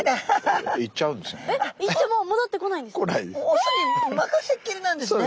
雄に任せっきりなんですね。